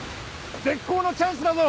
絶好のチャンスだぞ